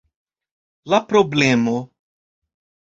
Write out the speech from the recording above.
La problemo.